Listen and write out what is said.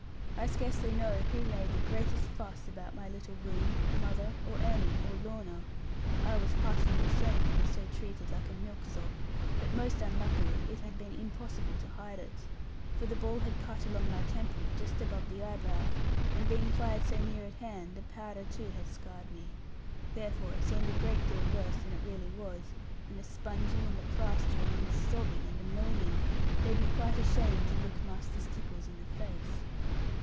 I scarcely know who made the greatest fuss about my little wound, mother, or Annie, or Lorna. I was heartily ashamed to be so treated like a milksop; but most unluckily it had been impossible to hide it. For the ball had cut along my temple, just above the eyebrow; and being fired so near at hand, the powder too had scarred me. Therefore it seemed a great deal worse than it really was; and the sponging, and the plastering, and the sobbing, and the moaning, made me quite ashamed to look Master Stickles in the face.